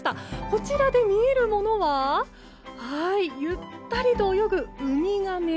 こちらで見えるものはゆったりと泳ぐウミガメ。